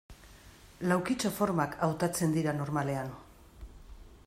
Laukitxo formak hautatzen dira normalean.